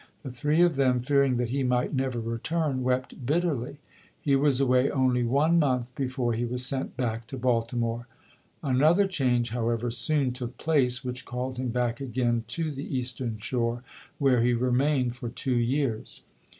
The three of them, fearing that he might never return, wept bitterly. He was away only one month before he was sent back to Baltimore. Another change, however, soon took place which called him back again to the Eastern Shore, where he remained for two years.